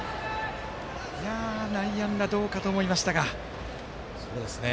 内野安打はどうかと思いましたが。